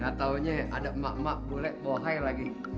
gak taunya ada emak emak bule bohai lagi